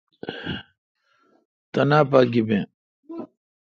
تینا پا گییں۔